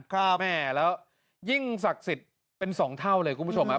แม่แล้วยิ่งศักดิ์สิทธิ์เป็นสองเท่าเลยคุณผู้ชมครับ